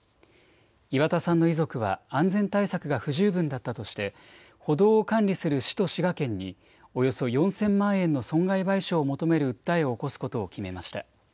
岩田さんの遺族は安全対策が不十分だったとして、歩道を管理する市と滋賀県におよそ４０００万円の損害賠償を求める訴えを起こすことを決めました。